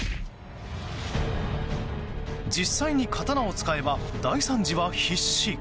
実際に刀を使えば大惨事は必至。